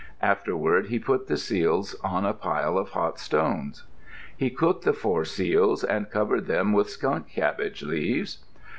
Afterward he put the seals on a pile of hot stones. He cooked the four seals and covered them with skunk cabbage leaves.